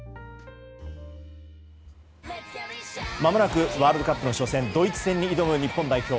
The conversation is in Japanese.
まもなくワールドカップの初戦ドイツ戦に挑む日本代表。